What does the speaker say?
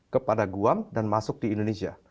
kepada guam dan masuk di indonesia